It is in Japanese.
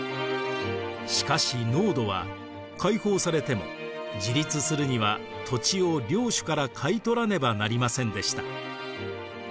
しかし農奴は解放されても自立するには土地を領主から買い取らねばなりませんでした。